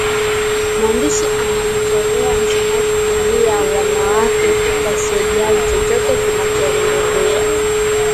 Mwandishi anamchorea msomaji jamii ya wanawake wasiojali chochote kinachoendelea